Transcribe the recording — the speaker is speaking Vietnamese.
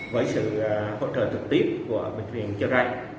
với sự hỗ trợ trực tiếp của bệnh viện chiều rạch